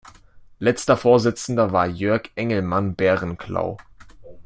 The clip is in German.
Letzter Vorsitzender war Jörg Engelmann-Bärenklau.